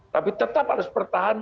tapi tetap harus bertahan